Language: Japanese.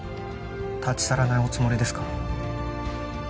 立ち去らないおつもりですか？